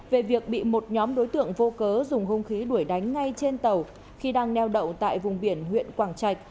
về việc bị một nhóm đối tượng vô cớ dùng hung khí đuổi đánh ngay trên tàu khi đang neo đậu tại vùng biển huyện quảng trạch